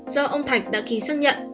do ông thạch đã ký xác nhận